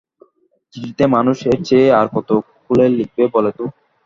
চিঠিতে মানুষ এর চেয়ে আর কত খুলে লিখবে বলো তো।